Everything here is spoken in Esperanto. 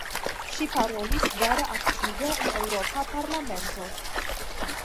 Ŝi parolis vere aktive en Eŭropa parlamento.